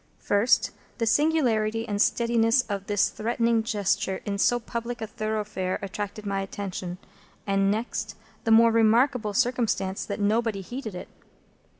First, the singularity and steadiness of this threatening gesture in so public a thoroughfare attracted my attention; and next, the more remarkable circumstance that nobody heeded it.